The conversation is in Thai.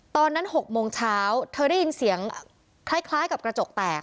ตอนนั้น๖โมงเช้าเธอได้ยินเสียงคล้ายกับกระจกแตก